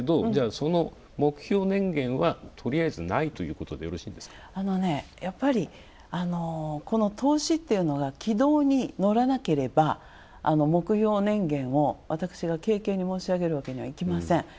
その目標年限はとりあえずないということで、よろしいですかやっぱり投資っていうのが軌道に乗らなければ、目標年限を私がけいけんに申し上げるわけにはいきません。